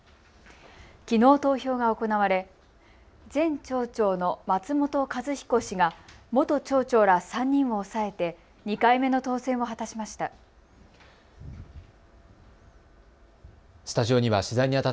きのう投票が行われ前町長の松本一彦氏が元町長ら３人を抑えて２回目の当選を果たしました。